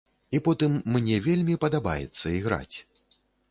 І потым мне вельмі падабаецца іграць.